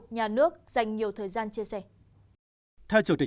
nhà nước dành nhiều thời gian chia sẻ